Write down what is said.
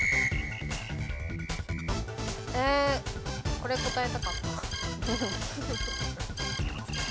これ答えたかった。